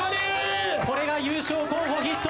これが優勝候補筆頭。